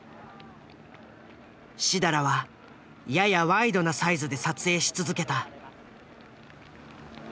設楽はややワイドなサイズで撮影し続けた。